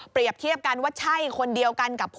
เปรียบเทียบกันว่าใช่คนเดียวกันกับ